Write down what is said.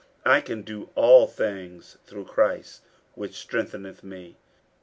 50:004:013 I can do all things through Christ which strengtheneth me.